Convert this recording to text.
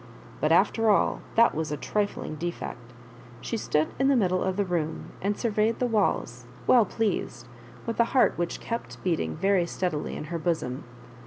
But, after all, that was a trifling defect She stood in the mid dle of the room, and surveyed the walls, well pleased, with a heart which kept beating very steadily in her bosom.